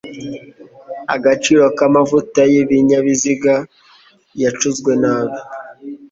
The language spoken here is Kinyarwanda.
agaciro k amavuta y ibinyabiziga yacunzwe nabi